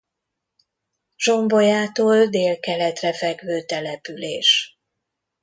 Zsombolyától délkeletre fekvő település.